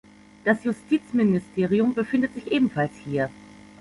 Das Justizministerium befindet sich ebenfalls hier.